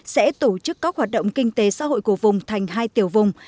sẽ tổ chức các hoạt động kinh tế xã hội của vùng thành hai tiểu vùng